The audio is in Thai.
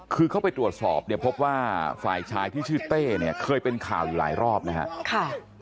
คือเข้าไปตรวจสอบเนี่ยพบว่าฝ่ายชายที่ชื่อเต้เนี่ยเคยเป็นข่าวอยู่หลายรอบนะครับ